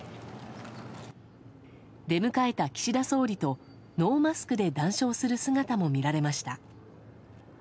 出迎えた岸田総理とノーマスクで談笑する姿も見られました。